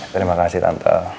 terima kasih tante